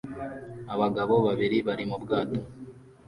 Abagabo babiri bari mu bwato